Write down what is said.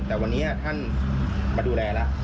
แต่วันนี้ท่านมาดูแลแล้ว